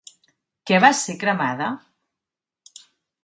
Què va ser cremada?